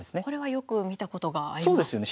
これはよく見たことがあります。